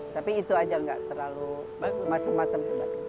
tapi itu aja nggak terlalu macam macam